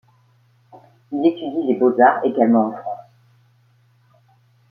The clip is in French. Il étudie les beaux-arts également en France.